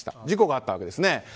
事故があったわけですね。